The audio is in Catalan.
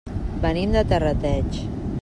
Venim de Terrateig.